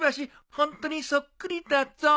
ホントにそっくりだぞ。